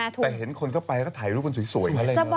แต่เห็นคนเข้าไปก็ถ่ายรูปวันนสวย